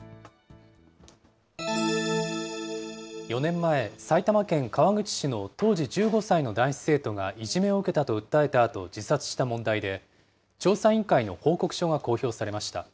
４年前、埼玉県川口市の当時１５歳の男子生徒がいじめを受けたと訴えたあと自殺した問題で、調査委員会の報告書が公表されました。